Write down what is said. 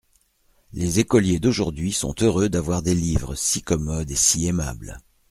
Les écoliers d'aujourd'hui sont heureux d'avoir des livres si commodes et si aimables.